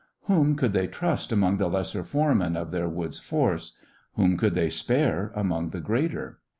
Whom could they trust among the lesser foremen of their woods force? Whom could they spare among the greater?